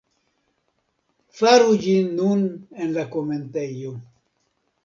Faru ĝin nun en la komentejo